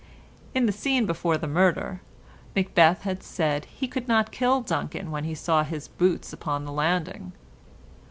In the scene before the murder, Macbeth had said he could not kill Duncan when he saw his boots upon the landing.